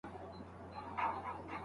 دا جرګه د ټولنې بېلابېل اقشار راټولوي.